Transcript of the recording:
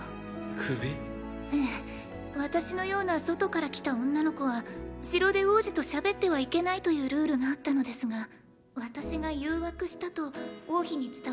ええ私のような外から来た女の子は城で王子と喋ってはいけないというルールがあったのですが私が誘惑したと王妃に伝わってしまいまして。